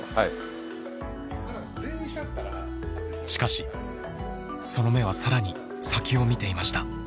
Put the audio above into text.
しかしその目はさらに先を見ていました。